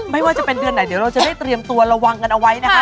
ไม่ว่าจะเป็นเดือนไหนเดี๋ยวเราจะได้เตรียมตัวระวังกันเอาไว้นะคะ